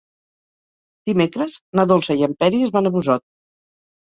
Dimecres na Dolça i en Peris van a Busot.